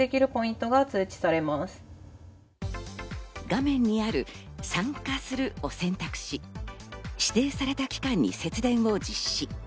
画面にある「参加する」を選択し、指定された期間に節電を実施。